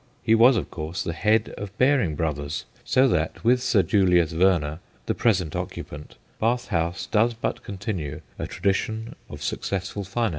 He was, of course, the head of Baring Brothers, so that with Sir Julius Wernher, the present occupant, Bath House does but continue a tradition of successful finance.